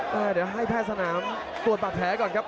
แต่เดี๋ยวให้แพทย์สนามตรวจบาดแผลก่อนครับ